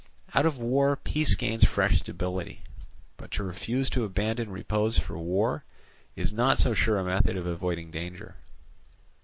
Out of war peace gains fresh stability, but to refuse to abandon repose for war is not so sure a method of avoiding danger.